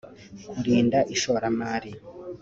kurinda ishoramari